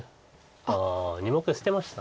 ああ２目捨てました。